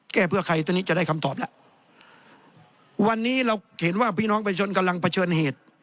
เพื่อใครตอนนี้จะได้คำตอบแล้ววันนี้เราเห็นว่าพี่น้องประชาชนกำลังเผชิญเหตุ